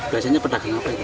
biasanya pedagang apa itu